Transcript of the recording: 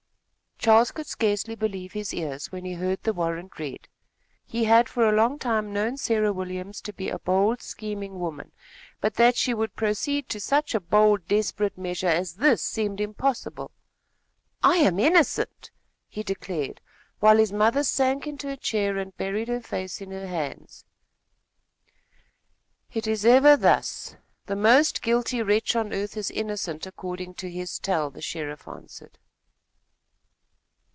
Charles could scarcely believe his ears, when he heard the warrant read. He had for a long time known Sarah Williams to be a bold, scheming woman; but that she would proceed to such a bold, desperate measure as this seemed impossible. "I am innocent!" he declared, while his mother sank into a chair and buried her face in her hands. "It is ever thus. The most guilty wretch on earth is innocent according to his tell," the sheriff answered.